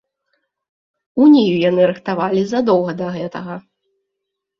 Унію яны рыхтавалі задоўга да гэтага.